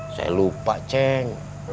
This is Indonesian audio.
saya lupa cek